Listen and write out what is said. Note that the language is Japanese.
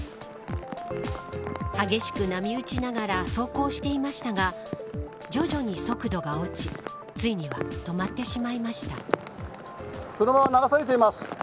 激しく波打ちながら走行していましたが徐々に速度が落ちついには止まってしまいました。